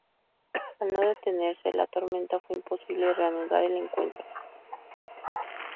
Al no detenerse la tormenta fue imposible reanudar el encuentro.